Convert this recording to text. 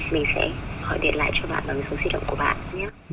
mình sẽ gọi điện lại cho bạn bằng số di động của bạn nhá